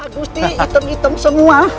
agusti hitam hitam semua